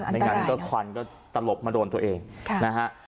ไม่งั้นก็ควันก็ตลบมาโดนตัวเองนะฮะ